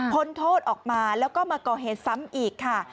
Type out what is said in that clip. โทษออกมาแล้วก็มาก่อเหตุซ้ำอีกค่ะ